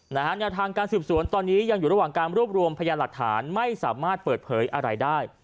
แนวทางการสืบสวนตอนนี้ยังอยู่ระหว่างการรวบรวมพยานหลักฐานไม่สามารถเปิดเผยอะไรได้